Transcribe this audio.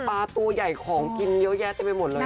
ปลาตัวใหญ่ของกินเยอะแยะไปหมดเลยค่ะ